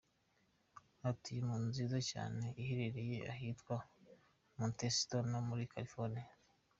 Atuye mu nzu nziza cyane iherereye ahitwa Montecito ho muri California.